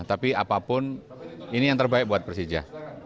tapi apapun ini yang terbaik buat persija